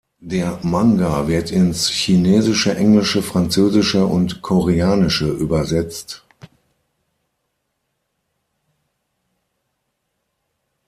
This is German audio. Der Manga wird ins Chinesische, Englische, Französische und Koreanische übersetzt.